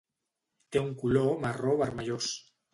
Té un color marró vermellós.